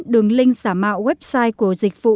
đường link xả mạo website của dịch vụ